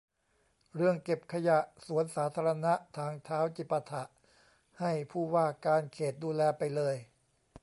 เรื่องเก็บขยะ สวนสาธารณะ ทางเท้า จิปาถะ ให้ผู้ว่าการเขตดูแลไปเลย